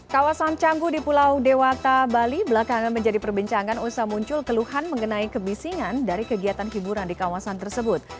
kawasan canggu di pulau dewata bali belakangan menjadi perbincangan usah muncul keluhan mengenai kebisingan dari kegiatan hiburan di kawasan tersebut